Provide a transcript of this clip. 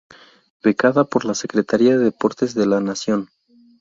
Becada por la Secretaría de Deportes de la Nación.